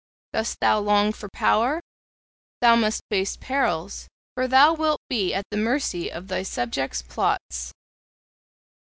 Dost thou long for power? Thou must face perils, for thou wilt be at the mercy of thy subjects' plots.